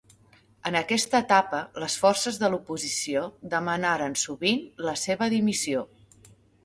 En aquesta etapa les forces de l'oposició demanaren sovint la seva dimissió.